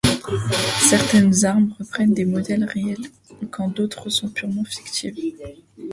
Certaines armes reprennent des modèles réels quand d'autres sont purement fictives.